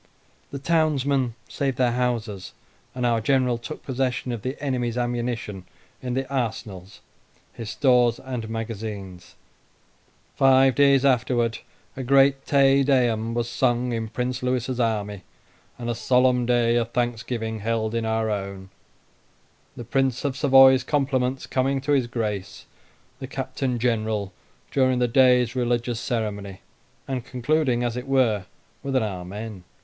The townsmen saved their houses, and our General took possession of the enemy's ammunition in the arsenals, his stores, and magazines. Five days afterwards a great "Te Deum" was sung in Prince Lewis's army, and a solemn day of thanksgiving held in our own; the Prince of Savoy's compliments coming to his Grace the Captain General during the day's religious ceremony, and concluding, as it were, with an Amen.